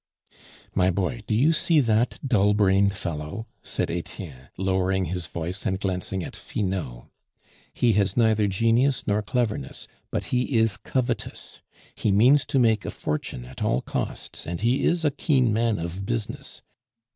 "My boy, do you see that dull brained fellow?" said Etienne, lowering his voice, and glancing at Finot. "He has neither genius nor cleverness, but he is covetous; he means to make a fortune at all costs, and he is a keen man of business.